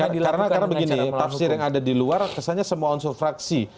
karena begini tafsir yang ada di luar kesannya semua unsur fraksi